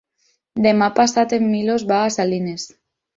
Demà passat en Milos va a Salines.